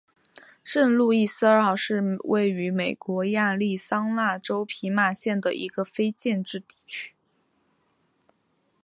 圣路易斯二号是位于美国亚利桑那州皮马县的一个非建制地区。